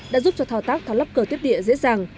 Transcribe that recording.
đã giúp cho thao tác tháo lắp cơ tiếp địa dễ dàng